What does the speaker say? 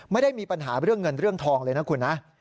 ไม่ได้มีปัญหาเรื่องเงินเรื่องทองเลยนะคุณนะ